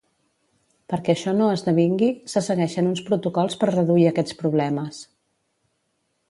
Perquè això no esdevingui, se segueixen uns protocols per reduir aquests problemes.